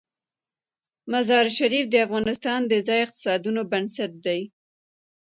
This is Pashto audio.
مزارشریف د افغانستان د ځایي اقتصادونو بنسټ دی.